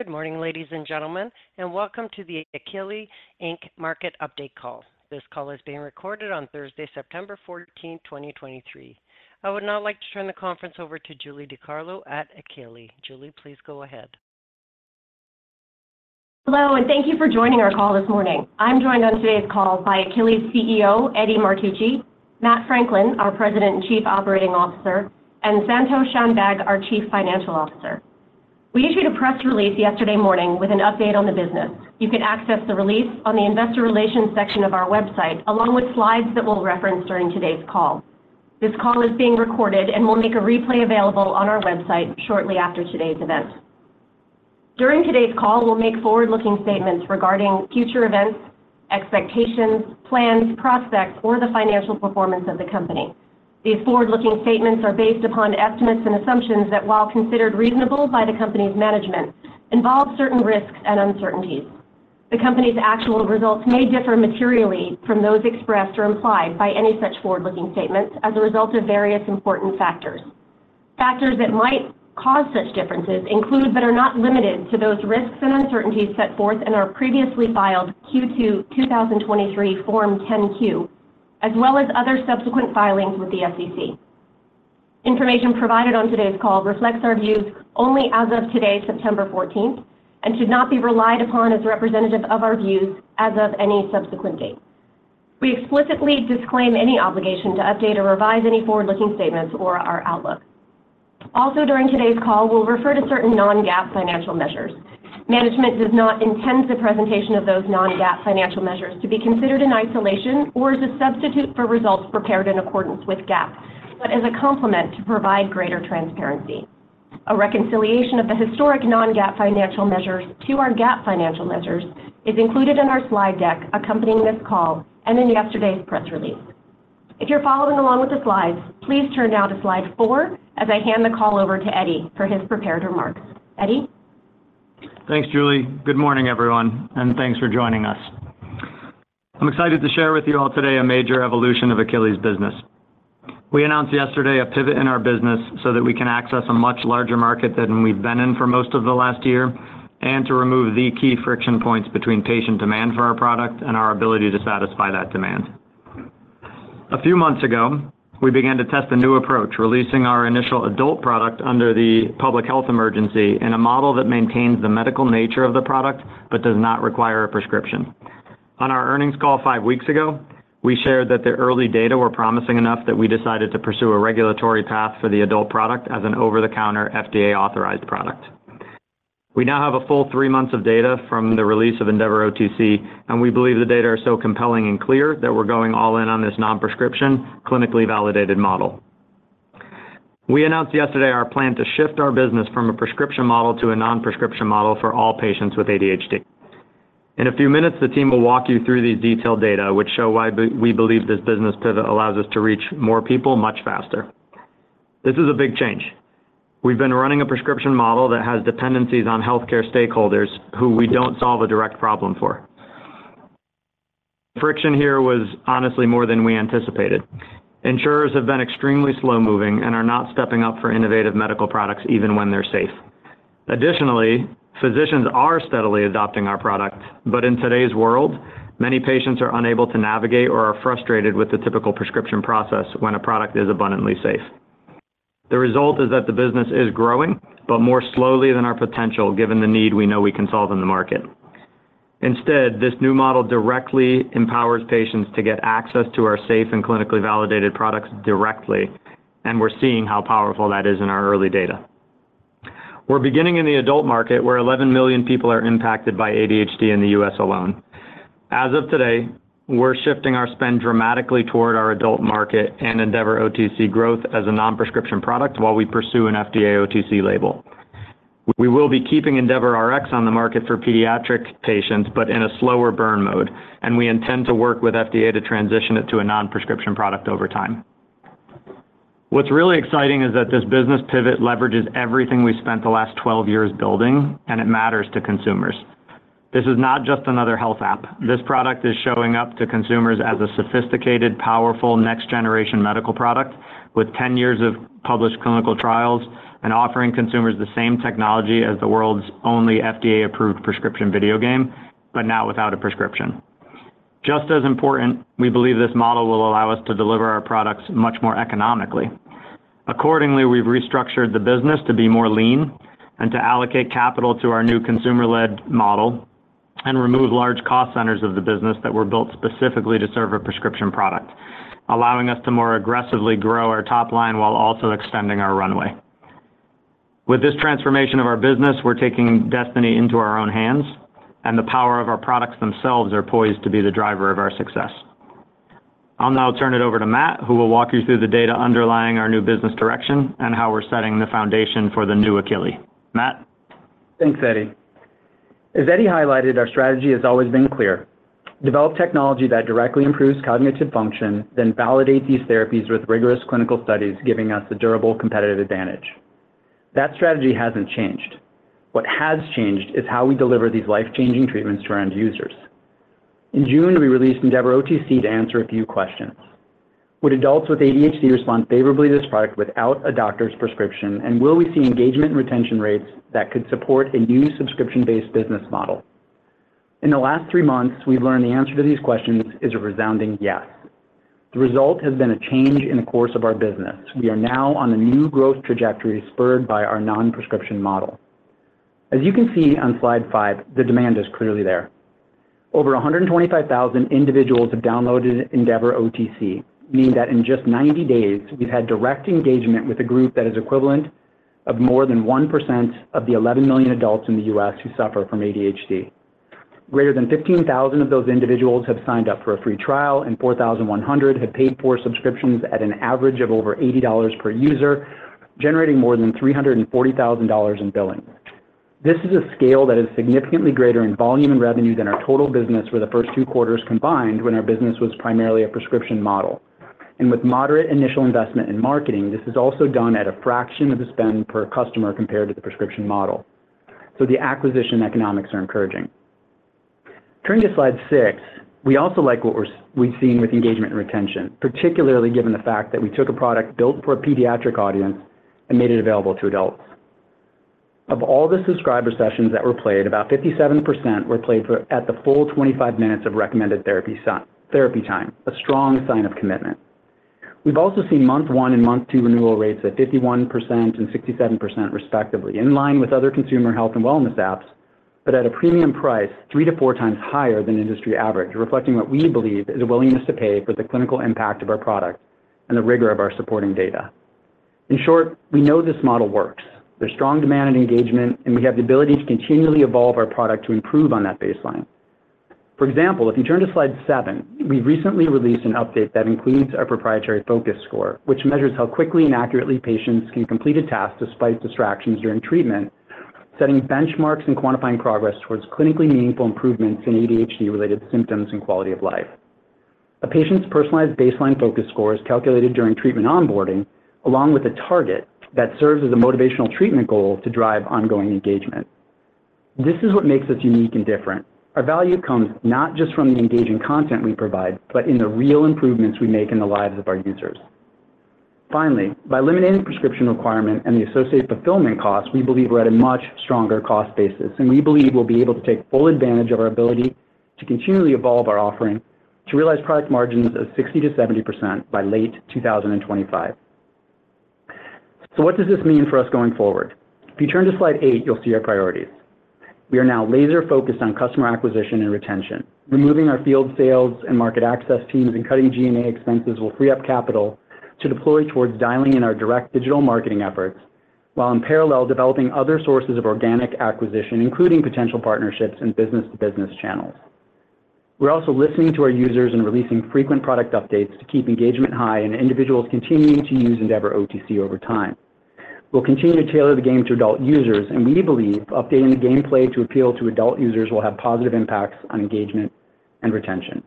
Good morning, ladies and gentlemen, and welcome to the Akili Inc. Market Update Call. This call is being recorded on Thursday, September 14, 2023. I would now like to turn the conference over to Julie DiCarlo at Akili. Julie, please go ahead. Hello, and thank you for joining our call this morning. I'm joined on today's call by Akili's CEO, Eddie Martucci, Matt Franklin, our President and Chief Operating Officer, and Santosh Shanbhag, our Chief Financial Officer. We issued a press release yesterday morning with an update on the business. You can access the release on the Investor Relations section of our website, along with slides that we'll reference during today's call. This call is being recorded, and we'll make a replay available on our website shortly after today's event. During today's call, we'll make forward-looking statements regarding future events, expectations, plans, prospects, or the financial performance of the company. These forward-looking statements are based upon estimates and assumptions that, while considered reasonable by the company's management, involve certain risks and uncertainties. The company's actual results may differ materially from those expressed or implied by any such forward-looking statements as a result of various important factors. Factors that might cause such differences include, but are not limited to, those risks and uncertainties set forth in our previously filed Q2 2023 Form 10-Q, as well as other subsequent filings with the SEC. Information provided on today's call reflects our views only as of today, September fourteenth, and should not be relied upon as representative of our views as of any subsequent date. We explicitly disclaim any obligation to update or revise any forward-looking statements or our outlook. Also, during today's call, we'll refer to certain non-GAAP financial measures. Management does not intend the presentation of those non-GAAP financial measures to be considered in isolation or as a substitute for results prepared in accordance with GAAP, but as a complement to provide greater transparency. A reconciliation of the historic non-GAAP financial measures to our GAAP financial measures is included in our slide deck accompanying this call and in yesterday's press release. If you're following along with the slides, please turn now to Slide 4 as I hand the call over to Eddie for his prepared remarks. Eddie? Thanks, Julie. Good morning, everyone, and thanks for joining us. I'm excited to share with you all today a major evolution of Akili's business. We announced yesterday a pivot in our business so that we can access a much larger market than we've been in for most of the last year, and to remove the key friction points between patient demand for our product and our ability to satisfy that demand. A few months ago, we began to test a new approach, releasing our initial adult product under the public health emergency in a model that maintains the medical nature of the product, but does not require a prescription. On our earnings call five weeks ago, we shared that the early data were promising enough that we decided to pursue a regulatory path for the adult product as an over-the-counter, FDA-authorized product. We now have a full three months of data from the release of EndeavorOTC, and we believe the data are so compelling and clear that we're going all in on this non-prescription, clinically validated model. We announced yesterday our plan to shift our business from a prescription model to a non-prescription model for all patients with ADHD. In a few minutes, the team will walk you through these detailed data, which show why we believe this business pivot allows us to reach more people much faster. This is a big change. We've been running a prescription model that has dependencies on healthcare stakeholders, who we don't solve a direct problem for. Friction here was honestly more than we anticipated. Insurers have been extremely slow-moving and are not stepping up for innovative medical products, even when they're safe. Additionally, physicians are steadily adopting our product, but in today's world, many patients are unable to navigate or are frustrated with the typical prescription process when a product is abundantly safe. The result is that the business is growing, but more slowly than our potential, given the need we know we can solve in the market. Instead, this new model directly empowers patients to get access to our safe and clinically validated products directly, and we're seeing how powerful that is in our early data. We're beginning in the adult market, where 11 million people are impacted by ADHD in the U.S. alone. As of today, we're shifting our spend dramatically toward our adult market and EndeavorOTC growth as a non-prescription product while we pursue an FDA OTC label. We will be keeping EndeavorRx on the market for pediatric patients, but in a slower burn mode, and we intend to work with FDA to transition it to a non-prescription product over time. What's really exciting is that this business pivot leverages everything we've spent the last 12 years building, and it matters to consumers. This is not just another health app. This product is showing up to consumers as a sophisticated, powerful, next-generation medical product with 10 years of published clinical trials and offering consumers the same technology as the world's only FDA-approved prescription video game, but now without a prescription. Just as important, we believe this model will allow us to deliver our products much more economically. Accordingly, we've restructured the business to be more lean and to allocate capital to our new consumer-led model and remove large cost centers of the business that were built specifically to serve a prescription product, allowing us to more aggressively grow our top line while also extending our runway. With this transformation of our business, we're taking destiny into our own hands, and the power of our products themselves are poised to be the driver of our success. I'll now turn it over to Matt, who will walk you through the data underlying our new business direction and how we're setting the foundation for the new Akili. Matt? Thanks, Eddie. As Eddie highlighted, our strategy has always been clear: develop technology that directly improves cognitive function, then validate these therapies with rigorous clinical studies, giving us a durable competitive advantage. That strategy hasn't changed. What has changed is how we deliver these life-changing treatments to our end users. In June, we released EndeavorOTC to answer a few questions: Would adults with ADHD respond favorably to this product without a doctor's prescription? And will we see engagement and retention rates that could support a new subscription-based business model? In the last three months, we've learned the answer to these questions is a resounding yes. The result has been a change in the course of our business. We are now on a new growth trajectory spurred by our non-prescription model. As you can see on Slide five, the demand is clearly there. Over 125,000 individuals have downloaded EndeavorOTC, meaning that in just 90 days, we've had direct engagement with a group that is equivalent of more than 1% of the 11 million adults in the U.S. who suffer from ADHD. Greater than 15,000 of those individuals have signed up for a free trial, and 4,100 have paid for subscriptions at an average of over $80 per user, generating more than $340,000 in billing. This is a scale that is significantly greater in volume and revenue than our total business for the first two quarters combined, when our business was primarily a prescription model. With moderate initial investment in marketing, this is also done at a fraction of the spend per customer compared to the prescription model. The acquisition economics are encouraging. Turning to Slide 6, we also like what we've seen with engagement and retention, particularly given the fact that we took a product built for a pediatric audience and made it available to adults. Of all the subscriber sessions that were played, about 57% were played for at the full 25 minutes of recommended therapy time, a strong sign of commitment. We've also seen month one and month two renewal rates at 51% and 67% respectively, in line with other consumer health and wellness apps, but at a premium price three-four times higher than industry average, reflecting what we believe is a willingness to pay for the clinical impact of our product and the rigor of our supporting data. In short, we know this model works. There's strong demand and engagement, and we have the ability to continually evolve our product to improve on that baseline. For example, if you turn to Slide 7, we recently released an update that includes our proprietary focus score, which measures how quickly and accurately patients can complete a task despite distractions during treatment, setting benchmarks and quantifying progress towards clinically meaningful improvements in ADHD-related symptoms and quality of life. A patient's personalized baseline focus score is calculated during treatment onboarding, along with a target that serves as a motivational treatment goal to drive ongoing engagement. This is what makes us unique and different. Our value comes not just from the engaging content we provide, but in the real improvements we make in the lives of our users. Finally, by eliminating the prescription requirement and the associated fulfillment costs, we believe we're at a much stronger cost basis, and we believe we'll be able to take full advantage of our ability to continually evolve our offering to realize product margins of 60%-70% by late 2025. So what does this mean for us going forward? If you turn to Slide 8, you'll see our priorities. We are now laser-focused on customer acquisition and retention. Removing our field sales and market access teams and cutting G&A expenses will free up capital to deploy towards dialing in our direct digital marketing efforts, while in parallel, developing other sources of organic acquisition, including potential partnerships and business-to-business channels. We're also listening to our users and releasing frequent product updates to keep engagement high and individuals continuing to use EndeavorOTC over time. We'll continue to tailor the game to adult users, and we believe updating the gameplay to appeal to adult users will have positive impacts on engagement and retention.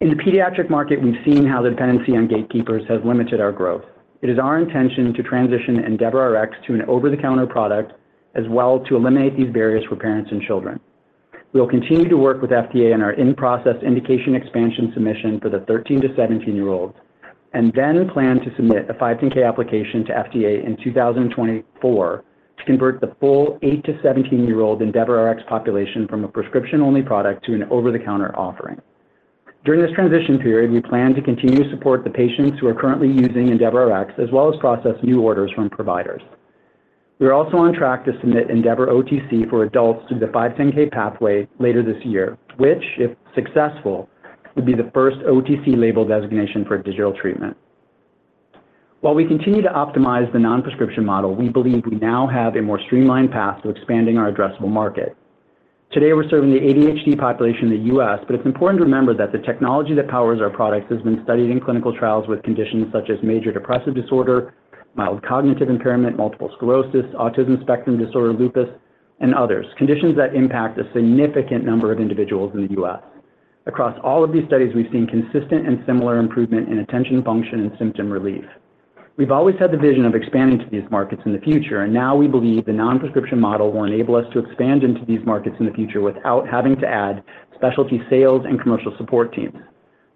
In the pediatric market, we've seen how the dependency on gatekeepers has limited our growth. It is our intention to transition EndeavorRx to an over-the-counter product, as well to eliminate these barriers for parents and children. We will continue to work with FDA on our in-process indication expansion submission for the 13-17 year-olds, and then plan to submit a 510(k) application to FDA in 2024 to convert the full 8-17 year-old EndeavorRx population from a prescription-only product to an over-the-counter offering. During this transition period, we plan to continue to support the patients who are currently using EndeavorRx, as well as process new orders from providers. We are also on track to submit EndeavorOTC for adults through the 510(k) pathway later this year, which, if successful, would be the first OTC label designation for a digital treatment. While we continue to optimize the non-prescription model, we believe we now have a more streamlined path to expanding our addressable market. Today, we're serving the ADHD population in the U.S., but it's important to remember that the technology that powers our products has been studied in clinical trials with conditions such as major depressive disorder, mild cognitive impairment, multiple sclerosis, autism spectrum disorder, lupus, and others. Conditions that impact a significant number of individuals in the U.S. Across all of these studies, we've seen consistent and similar improvement in attention, function, and symptom relief. We've always had the vision of expanding to these markets in the future, and now we believe the non-prescription model will enable us to expand into these markets in the future without having to add specialty sales and commercial support teams,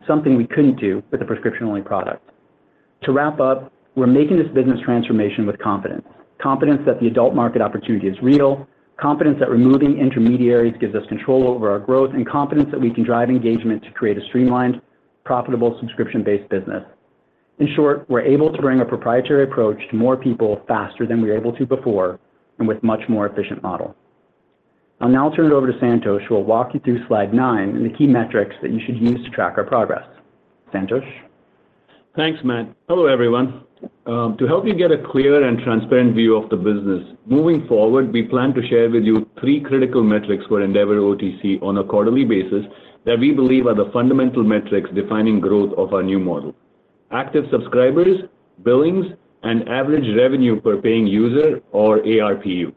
something we couldn't do with a prescription-only product. To wrap up, we're making this business transformation with confidence. Confidence that the adult market opportunity is real, confidence that removing intermediaries gives us control over our growth, and confidence that we can drive engagement to create a streamlined, profitable, subscription-based business. In short, we're able to bring our proprietary approach to more people faster than we were able to before and with much more efficient model. I'll now turn it over to Santosh, who will walk you through Slide 9 and the key metrics that you should use to track our progress. Santosh? Thanks, Matt. Hello, everyone. To help you get a clear and transparent view of the business, moving forward, we plan to share with you three critical metrics for EndeavorOTC on a quarterly basis that we believe are the fundamental metrics defining growth of our new model: active subscribers, billings, and average revenue per paying user or ARPU.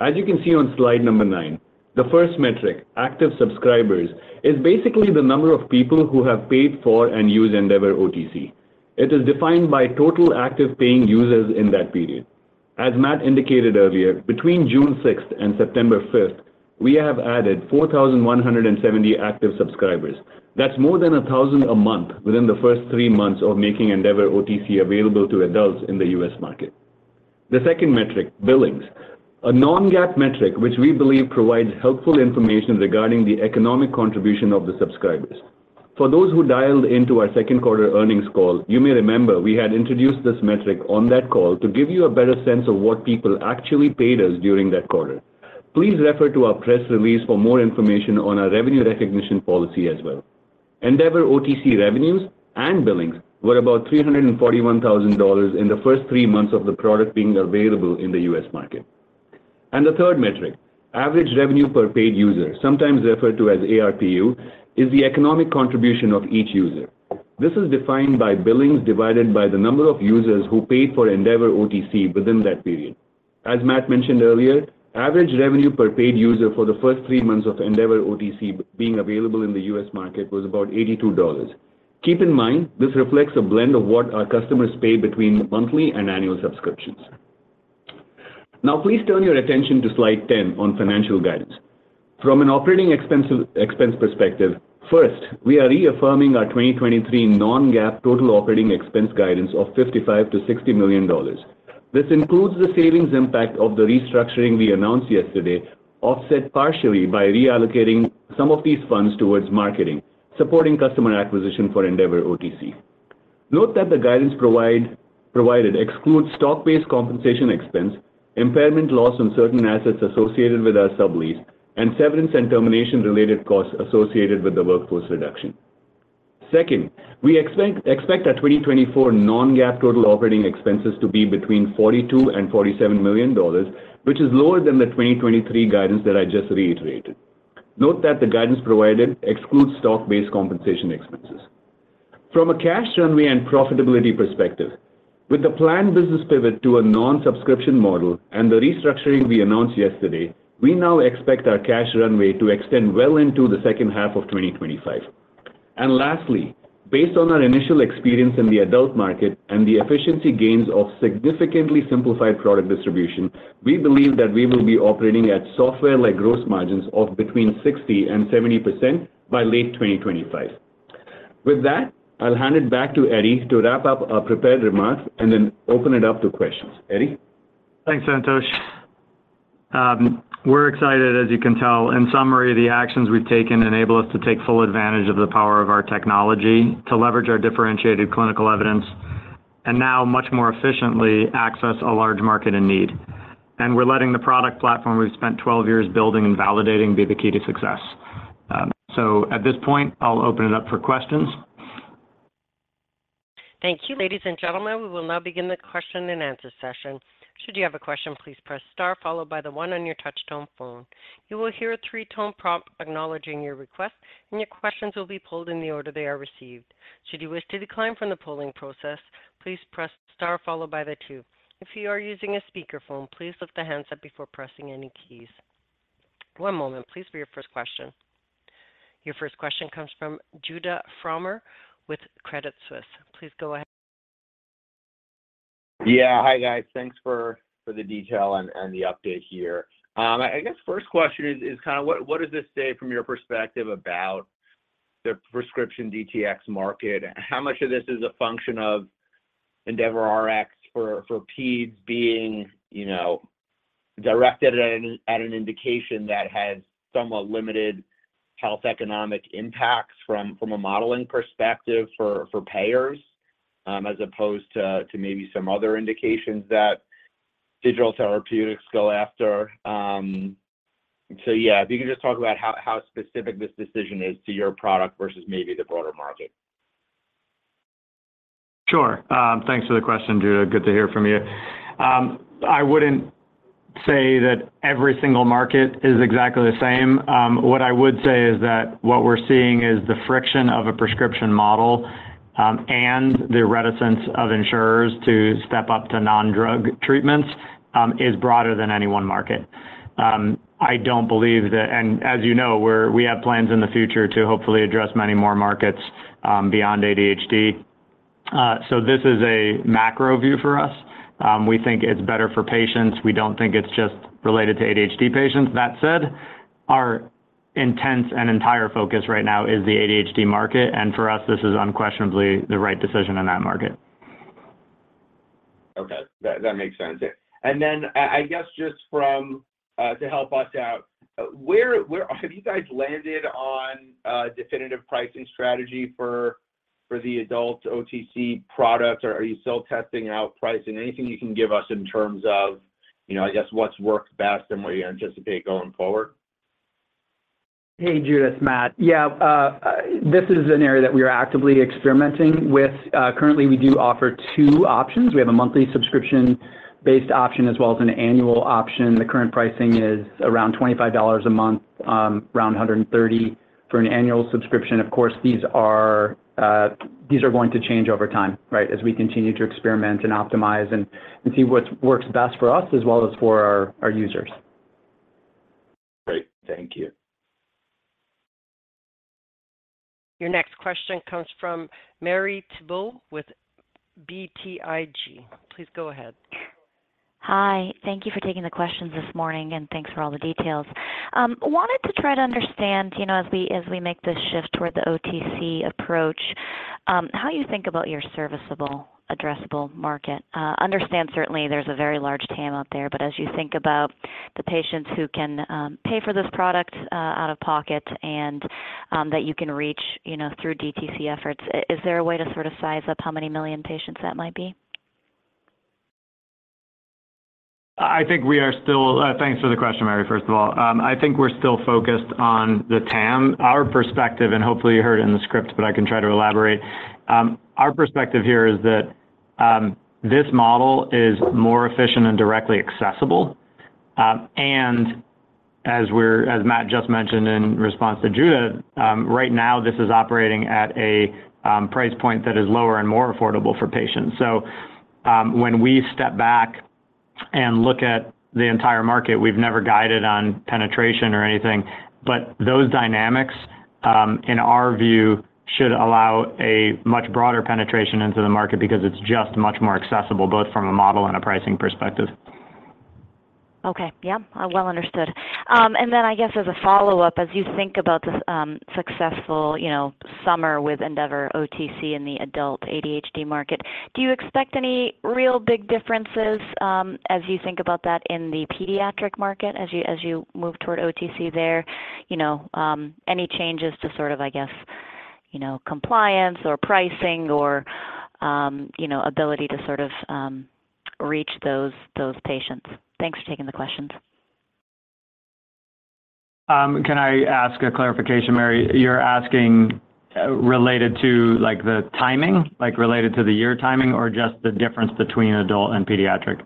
As you can see on Slide number 9, the first metric, active subscribers, is basically the number of people who have paid for and use EndeavorOTC. It is defined by total active paying users in that period. As Matt indicated earlier, between June sixth and September fifth, we have added 4,170 active subscribers. That's more than 1,000 a month within the first three months of making EndeavorOTC available to adults in the U.S. market. The second metric, billings, a non-GAAP metric, which we believe provides helpful information regarding the economic contribution of the subscribers. For those who dialed into our second quarter earnings call, you may remember we had introduced this metric on that call to give you a better sense of what people actually paid us during that quarter. Please refer to our press release for more information on our revenue recognition policy as well. EndeavorOTC revenues and billings were about $341,000 in the first three months of the product being available in the U.S. market. And the third metric, average revenue per paid user, sometimes referred to as ARPU, is the economic contribution of each user. This is defined by billings divided by the number of users who paid for EndeavorOTC within that period. As Matt mentioned earlier, average revenue per paid user for the first three months of EndeavorOTC being available in the U.S. market was about $82. Keep in mind, this reflects a blend of what our customers pay between monthly and annual subscriptions. Now please turn your attention to Slide 10 on financial guidance. From an operating expense, expense perspective, first, we are reaffirming our 2023 non-GAAP total operating expense guidance of $55 million-$60 million. This includes the savings impact of the restructuring we announced yesterday, offset partially by reallocating some of these funds towards marketing, supporting customer acquisition for EndeavorOTC. Note that the guidance provided excludes stock-based compensation expense, impairment loss on certain assets associated with our sublease, and severance and termination-related costs associated with the workforce reduction. Second, we expect our 2024 non-GAAP total operating expenses to be between $42 million-$47 million, which is lower than the 2023 guidance that I just reiterated. Note that the guidance provided excludes stock-based compensation expenses. From a cash runway and profitability perspective, with the planned business pivot to a non-subscription model and the restructuring we announced yesterday, we now expect our cash runway to extend well into the second half of 2025. And lastly, based on our initial experience in the adult market and the efficiency gains of significantly simplified product distribution, we believe that we will be operating at software-like gross margins of between 60%-70% by late 2025. With that, I'll hand it back to Eddie to wrap up our prepared remarks and then open it up to questions. Eddie? Thanks, Santosh. We're excited, as you can tell. In summary, the actions we've taken enable us to take full advantage of the power of our technology to leverage our differentiated clinical evidence, and now much more efficiently access a large market in need. And we're letting the product platform we've spent 12 years building and validating be the key to success. So at this point, I'll open it up for questions. Thank you, ladies and gentlemen. We will now begin the question and answer session. Should you have a question, please press star followed by the one on your touchtone phone. You will hear a three-tone prompt acknowledging your request, and your questions will be pulled in the order they are received. Should you wish to decline from the polling process, please press star followed by the two. If you are using a speakerphone, please lift the handset before pressing any keys. One moment, please, for your first question. Your first question comes from Judah Frommer with Credit Suisse. Please go ahead. Yeah. Hi, guys. Thanks for the detail and the update here. I guess first question is kind of what does this say from your perspective about the prescription DTx market? How much of this is a function of EndeavorRx for peds being, you know, directed at an indication that has somewhat limited health economic impacts from a modeling perspective for payers, as opposed to maybe some other indications that digital therapeutics go after? So yeah, if you can just talk about how specific this decision is to your product versus maybe the broader market. Sure. Thanks for the question, Judah. Good to hear from you. I wouldn't say that every single market is exactly the same. What I would say is that what we're seeing is the friction of a prescription model, and the reticence of insurers to step up to non-drug treatments, is broader than any one market. I don't believe that - and as you know, we're, we have plans in the future to hopefully address many more markets, beyond ADHD. So this is a macro view for us. We think it's better for patients. We don't think it's just related to ADHD patients. That said, our intense and entire focus right now is the ADHD market, and for us, this is unquestionably the right decision in that market. Okay, that makes sense. Yeah. And then I guess just from to help us out, where have you guys landed on a definitive pricing strategy for the adult OTC products, or are you still testing out pricing? Anything you can give us in terms of, you know, I guess, what's worked best and what you anticipate going forward? Hey, Judah, it's Matt. Yeah, this is an area that we are actively experimenting with. Currently, we do offer two options. We have a monthly subscription-based option as well as an annual option. The current pricing is around $25 a month, around $130 for an annual subscription. Of course, these are, these are going to change over time, right? As we continue to experiment and optimize and, and see what works best for us as well as for our, our users. Great. Thank you. Your next question comes from Marie Thibault with BTIG. Please go ahead. Hi. Thank you for taking the questions this morning, and thanks for all the details. Wanted to try to understand, you know, as we, as we make this shift toward the OTC approach, how you think about your serviceable addressable market. Understand certainly there's a very large TAM out there, but as you think about the patients who can pay for this product out of pocket and that you can reach, you know, through DTC efforts, is there a way to sort of size up how many million patients that might be? I think we are still, thanks for the question, Marie, first of all. I think we're still focused on the TAM. Our perspective, and hopefully you heard it in the script, but I can try to elaborate. Our perspective here is that this model is more efficient and directly accessible, and as Matt just mentioned in response to Judah, right now, this is operating at a price point that is lower and more affordable for patients. So, when we step back and look at the entire market, we've never guided on penetration or anything, but those dynamics, in our view, should allow a much broader penetration into the market because it's just much more accessible, both from a model and a pricing perspective. Okay. Yeah, well understood. And then I guess as a follow-up, as you think about this, successful, you know, summer with EndeavorOTC in the adult ADHD market, do you expect any real big differences, as you think about that in the pediatric market, as you move toward OTC there? You know, any changes to sort of, I guess, you know, compliance or pricing or, you know, ability to sort of, reach those patients? Thanks for taking the questions. Can I ask a clarification, Marie? You're asking, related to, like, the timing, like, related to the year timing or just the difference between adult and pediatric?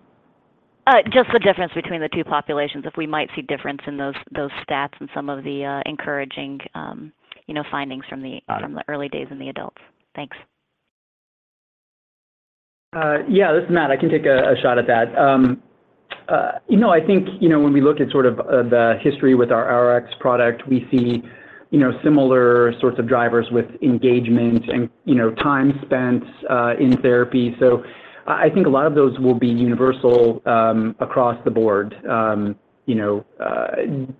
Just the difference between the two populations, if we might see difference in those stats and some of the encouraging, you know, findings from the- Got it... from the early days in the adults. Thanks. Yeah, this is Matt. I can take a shot at that. You know, I think, you know, when we look at sort of the history with our Rx product, we see, you know, similar sorts of drivers with engagement and, you know, time spent in therapy. So I think a lot of those will be universal across the board. You know,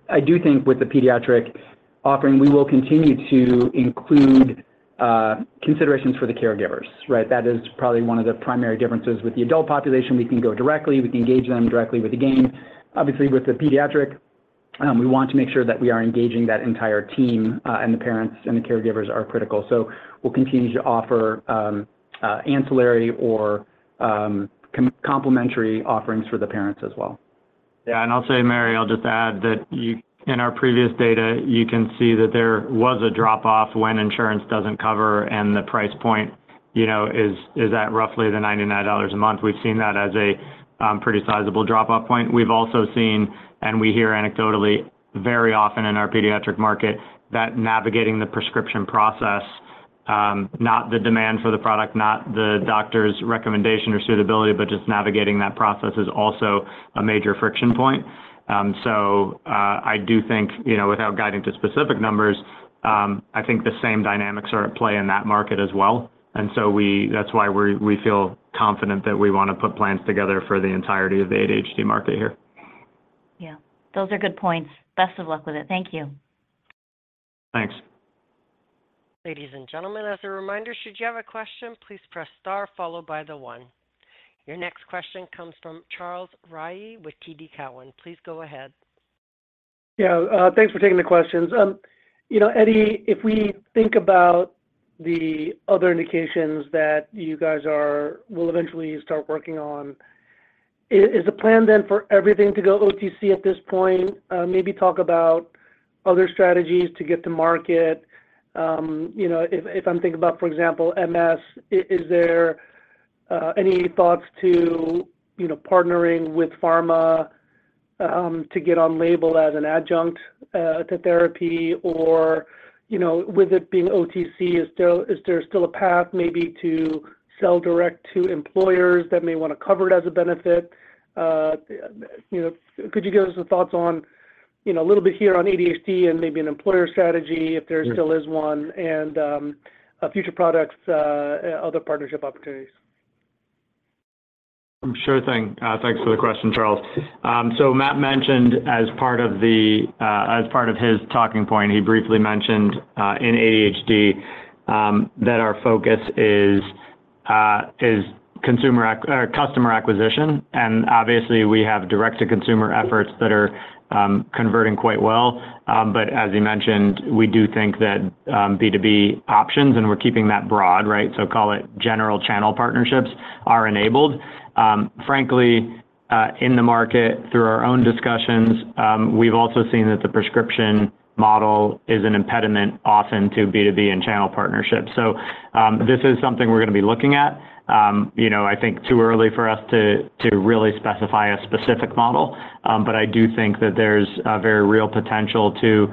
I do think with the pediatric offering, we will continue to include considerations for the caregivers, right? That is probably one of the primary differences. With the adult population, we can go directly, we can engage them directly with the game. Obviously, with the pediatric, we want to make sure that we are engaging that entire team, and the parents and the caregivers are critical. We'll continue to offer ancillary or complementary offerings for the parents as well. Yeah, and I'll say, Marie. I'll just add that in our previous data, you can see that there was a drop-off when insurance doesn't cover, and the price point, you know, is at roughly $99 a month. We've seen that as a pretty sizable drop-off point. We've also seen, and we hear anecdotally very often in our pediatric market, that navigating the prescription process, not the demand for the product, not the doctor's recommendation or suitability, but just navigating that process is also a major friction point. So, I do think, you know, without guiding to specific numbers, I think the same dynamics are at play in that market as well. And so that's why we're, we feel confident that we wanna put plans together for the entirety of the ADHD market here. Yeah, those are good points. Best of luck with it. Thank you. Thanks. Ladies and gentlemen, as a reminder, should you have a question, please press star followed by the one. Your next question comes from Charles Rhyee with TD Cowen. Please go ahead. Yeah, thanks for taking the questions. You know, Eddie, if we think about the other indications that you guys will eventually start working on, is the plan then for everything to go OTC at this point? Maybe talk about other strategies to get to market. You know, if I'm thinking about, for example, MS, is there any thoughts to, you know, partnering with pharma to get on label as an adjunct to therapy? Or, you know, with it being OTC, is there still a path maybe to sell direct to employers that may wanna cover it as a benefit? You know, could you give us some thoughts on, you know, a little bit here on ADHD and maybe an employer strategy, if there still is one, and future products, other partnership opportunities? Sure thing. Thanks for the question, Charles. So Matt mentioned as part of the, as part of his talking point, he briefly mentioned, in ADHD, that our focus is, is consumer ac-- or customer acquisition, and obviously we have direct-to-consumer efforts that are, converting quite well. But as you mentioned, we do think that, B2B options, and we're keeping that broad, right? So call it general channel partnerships are enabled. Frankly, in the market, through our own discussions, we've also seen that the prescription model is an impediment often to B2B and channel partnerships. So, this is something we're gonna be looking at. You know, I think too early for us to really specify a specific model, but I do think that there's a very real potential to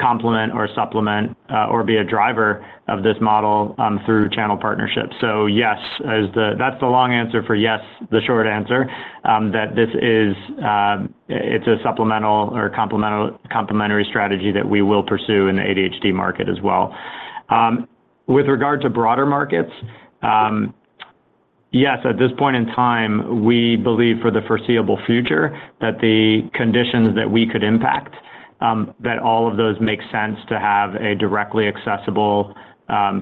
complement or supplement or be a driver of this model through channel partnerships. So yes, that's the long answer for yes, the short answer, that this is, it's a supplemental or complementary strategy that we will pursue in the ADHD market as well. With regard to broader markets, yes, at this point in time, we believe for the foreseeable future, that the conditions that we could impact, that all of those make sense to have a directly accessible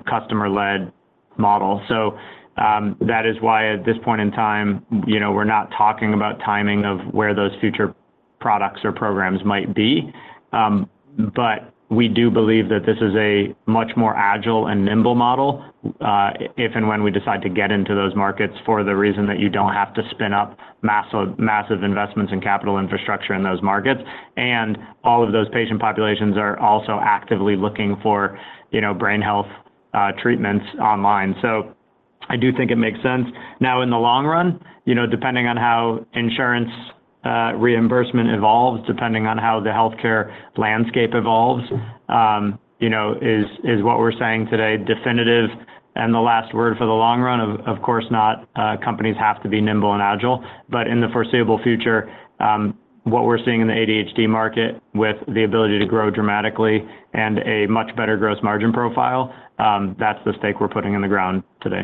customer-led model. So, that is why at this point in time, you know, we're not talking about timing of where those future products or programs might be. But we do believe that this is a much more agile and nimble model, if and when we decide to get into those markets for the reason that you don't have to spin up massive, massive investments in capital infrastructure in those markets. And all of those patient populations are also actively looking for, you know, brain health, treatments online. So I do think it makes sense. Now, in the long run, you know, depending on how insurance, reimbursement evolves, depending on how the healthcare landscape evolves, you know, is what we're saying today definitive and the last word for the long run? Of course not, companies have to be nimble and agile. But in the foreseeable future, what we're seeing in the ADHD market, with the ability to grow dramatically and a much better gross margin profile, that's the stake we're putting in the ground today.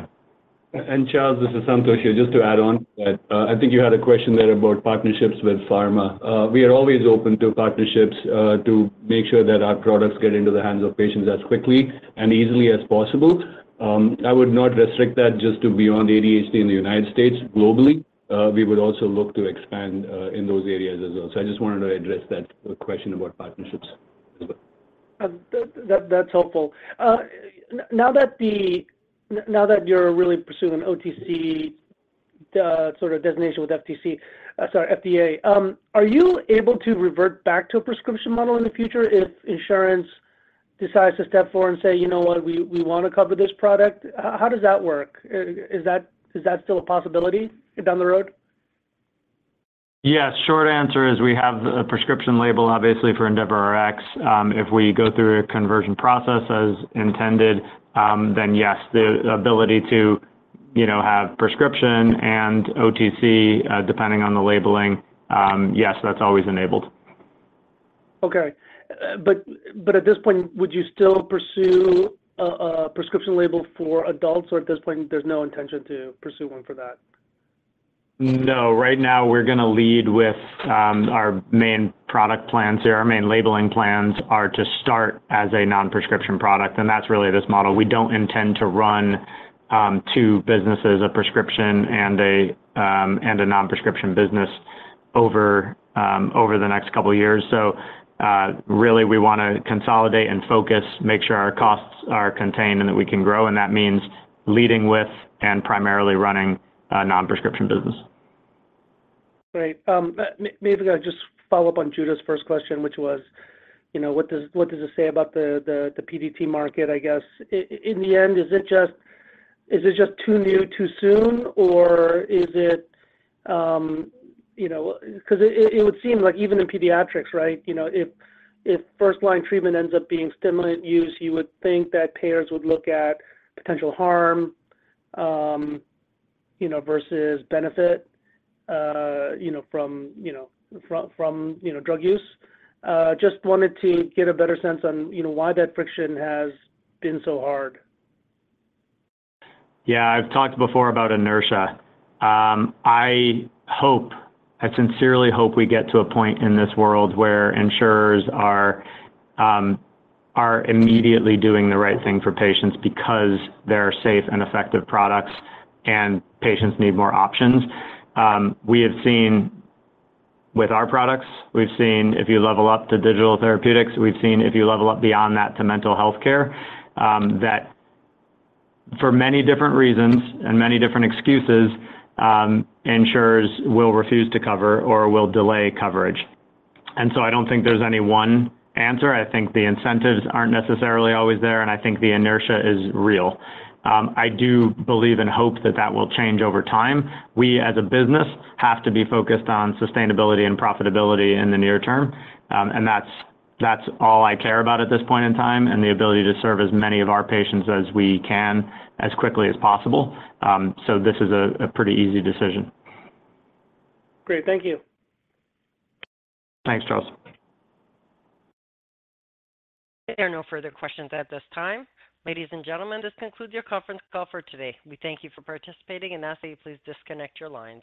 Charles, this is Santosh here. Just to add on that, I think you had a question there about partnerships with pharma. We are always open to partnerships, to make sure that our products get into the hands of patients as quickly and easily as possible. I would not restrict that just to beyond ADHD in the United States, globally, we would also look to expand in those areas as well. So I just wanted to address that question about partnerships as well. That, that's helpful. Now that you're really pursuing OTC, the sort of designation with FTC, sorry, FDA, are you able to revert back to a prescription model in the future if insurance decides to step forward and say, "You know what? We want to cover this product"? How does that work? Is that still a possibility down the road? Yes. Short answer is we have a prescription label, obviously, for EndeavorRx. If we go through a conversion process as intended, then yes, the ability to, you know, have prescription and OTC, depending on the labeling, yes, that's always enabled. Okay. But at this point, would you still pursue a prescription label for adults, or at this point, there's no intention to pursue one for that? No. Right now, we're gonna lead with our main product plans here. Our main labeling plans are to start as a non-prescription product, and that's really this model. We don't intend to run two businesses, a prescription and a non-prescription business over the next couple of years. So, really, we wanna consolidate and focus, make sure our costs are contained and that we can grow, and that means leading with and primarily running a non-prescription business. Great. Maybe I'll just follow up on Judah's first question, which was, you know, what does it say about the, the PDT market, I guess. In the end, is it just too new, too soon, or is it, you know... 'Cause it would seem like even in pediatrics, right, you know, if first line treatment ends up being stimulant use, you would think that payers would look at potential harm, you know, versus benefit, you know, from drug use. Just wanted to get a better sense on, you know, why that friction has been so hard. Yeah, I've talked before about inertia. I hope, I sincerely hope we get to a point in this world where insurers are immediately doing the right thing for patients because they're safe and effective products, and patients need more options. We have seen with our products, we've seen if you level up to digital therapeutics, we've seen if you level up beyond that to mental health care, that for many different reasons and many different excuses, insurers will refuse to cover or will delay coverage. And so I don't think there's any one answer. I think the incentives aren't necessarily always there, and I think the inertia is real. I do believe and hope that that will change over time. We, as a business, have to be focused on sustainability and profitability in the near term, and that's all I care about at this point in time, and the ability to serve as many of our patients as we can, as quickly as possible. So this is a pretty easy decision. Great. Thank you. Thanks, Charles. There are no further questions at this time. Ladies and gentlemen, this concludes your conference call for today. We thank you for participating and ask that you please disconnect your lines.